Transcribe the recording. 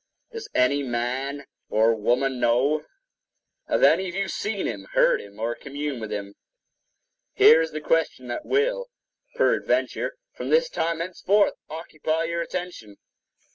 Does any man or woman know? Have any of you seen him, heard him, or communed with him? Here is the question that will, peradventure, from this time henceforth occupy your attention.